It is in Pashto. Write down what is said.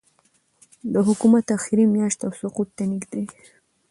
د حکومت آخري میاشت او سقوط ته نږدې